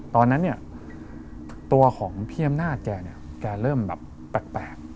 ตอนนั้นตัวของพี่ย้ำนาจแกแกเริ่มแบบแปลก